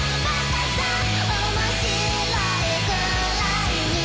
「おもしろいくらいに」